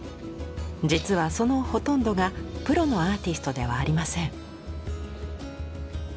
実はそのほとんどがプロのアーティストではありません。